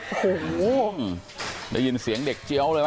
โอ้โหได้ยินเสียงเด็กเจี๊ยวเลยป